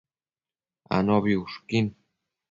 Anobi ushquin